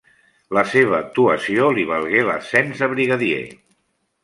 La seva actuació li valgué l'ascens a brigadier.